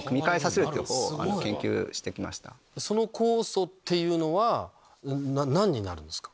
その酵素っていうのは何になるんですか？